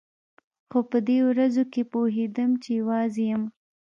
خو په دې ورځو کښې پوهېدم چې يوازې يم.